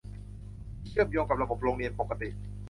ที่เชื่อมโยงกับระบบโรงเรียนปกติ